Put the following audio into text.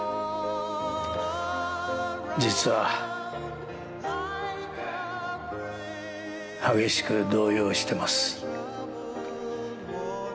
実は、激しく動揺しています。